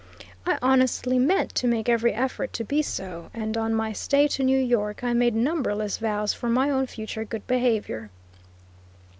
I honestly meant to make every effort to be so, and on my stay to New York I made numberless vows for my own future good behavior.